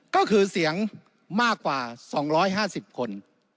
ก็คือเสียงมากกว่า๒๕๐คน